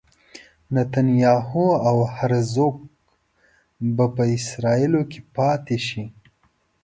نتنیاهو او هرزوګ به په اسرائیلو کې پاتې شي.